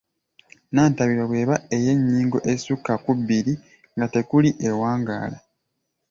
Nnantabira bw'eba ey’ennyingo ezisukka ku bbiri nga tekuli ewangaala.